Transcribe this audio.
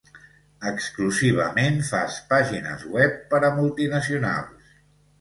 Exclusivament fas pàgines web per a multinacionals.